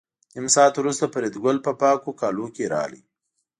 نیم ساعت وروسته فریدګل په پاکو کالو کې راغی